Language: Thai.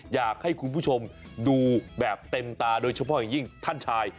อยากให้คุณผู้ชมดูแบบเต็มตาโดยเฉพาะอย่างยิ่งท่านชาย